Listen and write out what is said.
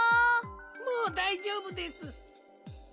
もうだいじょうぶです。